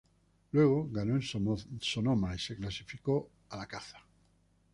Luego, ganó en Sonoma y se clasificó a la Caza.